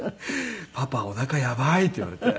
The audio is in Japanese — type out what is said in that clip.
「パパおなかやばい」って言われて。